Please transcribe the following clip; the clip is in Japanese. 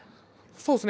そうですね。